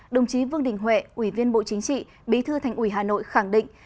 đồng chí vương đình huệ ủy viên bộ chính trị bí thư thành ủy hà nội khẳng định